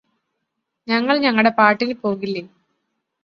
ഞങ്ങള് ഞങ്ങടെ പാട്ടിന് പോകില്ലേ